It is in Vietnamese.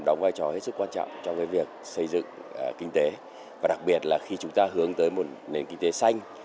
đóng vai trò hết sức quan trọng trong việc xây dựng kinh tế và đặc biệt là khi chúng ta hướng tới một nền kinh tế xanh